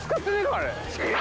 あれ。